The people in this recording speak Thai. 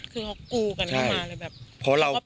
คือเขากูกันเข้ามาเลยแบบ